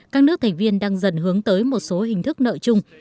các nước thành viên đang dần hướng tới một số hình thức nợ chung